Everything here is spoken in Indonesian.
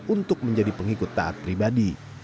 untuk menjadi pengikut taat pribadi